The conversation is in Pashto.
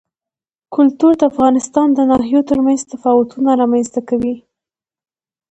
کلتور د افغانستان د ناحیو ترمنځ تفاوتونه رامنځ ته کوي.